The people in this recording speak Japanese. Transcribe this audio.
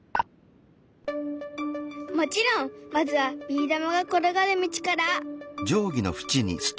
もちろんまずはビー玉が転がる道から。